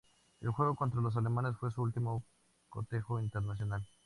El juego contra los alemanes fue su último cotejo internacional.